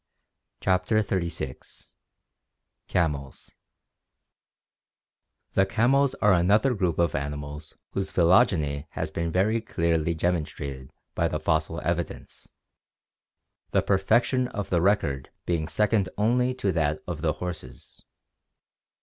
CHAPTER XXXVI Camels The camels are another group of animals whose phylogeny has been very clearly demonstrated by the fossil evidence, the perfec tion of the record being second only to that of the horses.